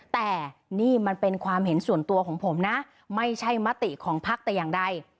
แต่นี่มันเป็นความเห็นส่วนตัวของผมนะไม่ใช่มติของพักแต่อย่างใด